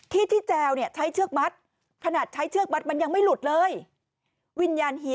ใบพัดนำทาง